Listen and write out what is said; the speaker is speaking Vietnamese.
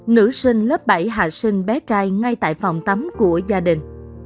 nữ sinh lớp bảy hạ sinh bé trai ngay tại phòng tắm của gia đình